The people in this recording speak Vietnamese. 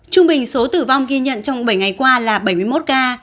trung bình số tử vong ghi nhận trong bảy ngày qua là bảy mươi một ca